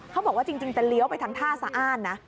เขาบอกว่าจริงจะเลี้ยวไปทางท่าสะอ้านนะ